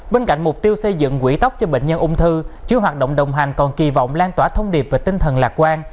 bên cạnh mục tiêu xây dựng quỹ tóc cho bệnh nhân ung thư chứa hoạt động đồng hành còn kỳ vọng lan tỏa thông điệp về tinh thần lạc quan